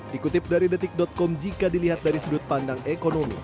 dikutip dari detik com jika dilihat dari sudut pandang ekonomi